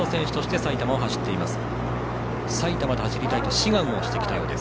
埼玉の走りをしたいと志願をしてきたそうです。